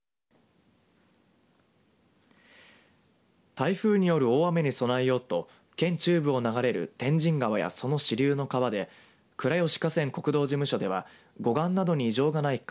台風による大雨に備えようと県中部を流れる天神川やその支流の川で倉吉河川国道事務所では護岸などに異常がないか